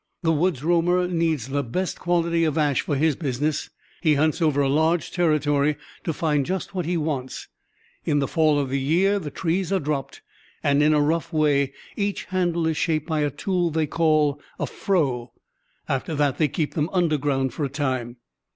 "The woods roamer needs the best quality of ash for his business. He hunts over a large territory to find just what he wants. In the fall of the year the trees are dropped, and in a rough way each handle is shaped by a tool they call a 'froe.' After that they keep them underground for a time."